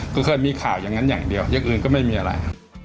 ก็เคยมีข่าวอย่างนั้นอย่างเดียวอย่างอื่นก็ไม่มีอะไร